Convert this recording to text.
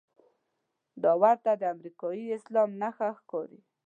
دا ورته د امریکايي اسلام نښه ښکاري.